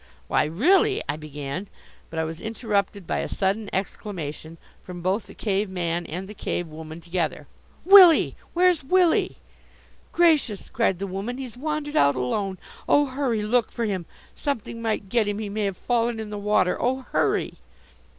"Why, really " I began. But I was interrupted by a sudden exclamation from both the Cave man and the Cave woman together: "Willie! where's Willie!" "Gracious!" cried the woman. "He's wandered out alone oh, hurry, look for him! Something might get him! He may have fallen in the water! Oh, hurry!"